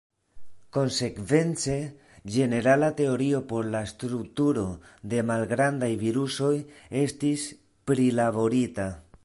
Konsekvence, ĝenerala teorio por la strukturo de malgrandaj virusoj estis prilaborita.